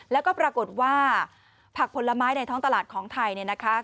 แล้วก็ปรากฏว่าผักผลไม้ในท้องตลาดของไทยเนี่ยนะคะ